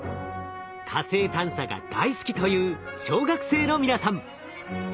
火星探査が大好きという小学生の皆さん。